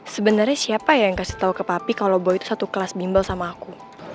sebenernya siapa ya yang kasih tau ke papi kalau boy itu satu kelas bimbel sama aku